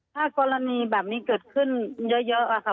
ถ้ากรณีแบบนี้เกิดขึ้นเยอะค่ะ